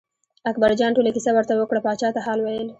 اکبرجان ټوله کیسه ورته وکړه پاچا ته حال ویل.